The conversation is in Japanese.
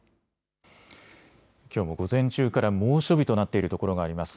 きょうも午前中から猛暑日となっているところがあります。